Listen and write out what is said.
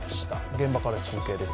現場から中継です。